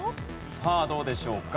さあどうでしょうか？